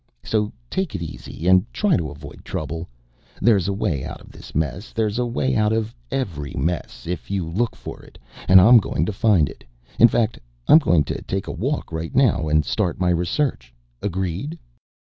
So take it easy and try to avoid trouble. There's a way out of this mess there's a way out of every mess if you look for it and I'm going to find it. In fact I'm going to take a walk right now and start my research. Agreed?"